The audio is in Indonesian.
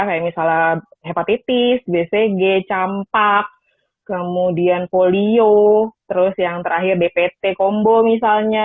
kayak misalnya hepatitis bcg campak kemudian polio terus yang terakhir dpt kombo misalnya